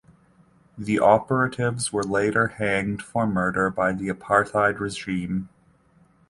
The operatives were later hanged for murder by the apartheid regime.